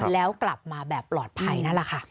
แล้วกลับมาแบบปลอดภัยนั่นแหละค่ะ